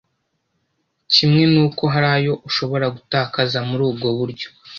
kimwe n’ uko hari ayo ushobora gutakaza muri ubwo buryo